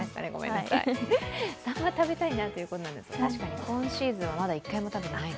サンマ食べたいなということですが今シーズンはまだ一回も食べてないな。